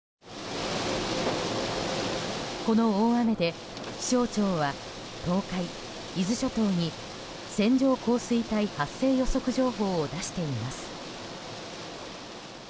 この大雨で、気象庁は東海、伊豆諸島に線状降水帯発生予測情報を出しています。